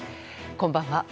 こんばんは。